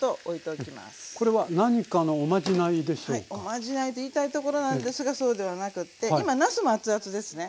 おまじないと言いたいところなんですがそうではなくて今なすも熱々ですね。